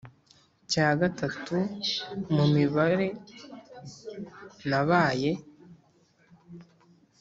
Cya gatatu mu mibare nabaye